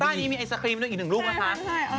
ต้านี่มีไอซาครีมด้วยอีก๑รูปนะคะ